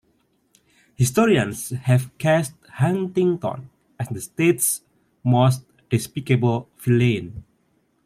Historians have cast Huntington as the state's most despicable villain.